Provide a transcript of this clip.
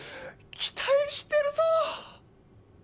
「期待してるぞ」